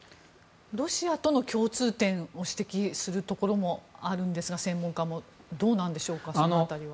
ロシアとの共通点を指摘する専門家もいるんですがどうなんでしょうかその辺りは。